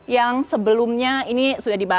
yang sebelumnya ini sudah dibahas